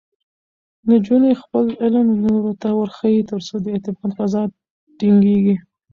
نجونې خپل علم نورو ته وښيي، ترڅو د اعتماد فضا ټینګېږي.